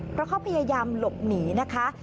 เพราะเขาพยายามหลบหนีนะคะ